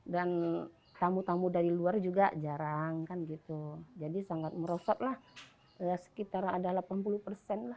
dan tamu tamu dari luar juga jarang jadi sangat merosot sekitar ada delapan puluh persen